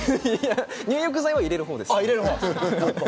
入浴剤は入れるほうです。